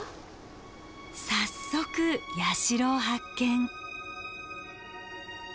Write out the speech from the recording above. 早速社を発見。